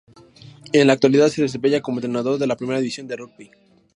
En la actualidad se desempeña como entrenador de la Primera División de Rugby.